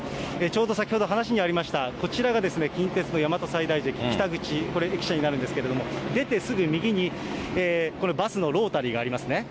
ちょうど先ほど話にありました、こちらが近鉄の大和西大寺駅北口、これ駅舎になるんですけれども、出てすぐ右に、バスのロータリーがありますね。